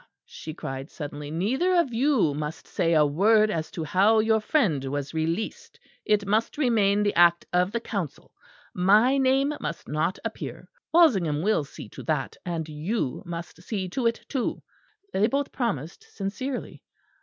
she cried, suddenly, "neither of you must say a word as to how your friend was released. It must remain the act of the Council. My name must not appear; Walsingham will see to that, and you must see to it too." They both promised sincerely.